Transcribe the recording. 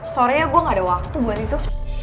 soalnya gue gak ada waktu buat itu